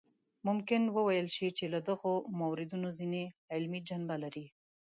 ممکن وویل شي چې له دغو موردونو ځینې علمي جنبه لري.